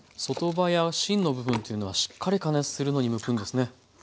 外葉や芯の部分っていうのはしっかり加熱するのに向くんですね。